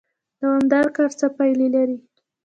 دوامدار کار څه پایله لري؟